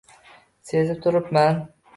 Sezib turibman.